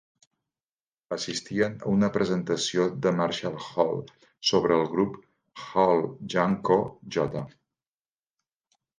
Assistien a una presentació de Marshall Hall sobre el grup Hall-Janko J.